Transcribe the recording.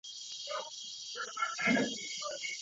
宁桥郡是越南湄公河三角洲芹苴市中心的一个郡。